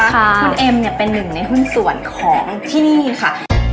คุณเอ็มเนี่ยเป็นหนึ่งในหุ้นส่วนของที่นี่ค่ะ